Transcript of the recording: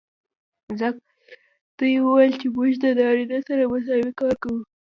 ځکه دوي وويل چې موږ د نارينه سره مساوي کار کو.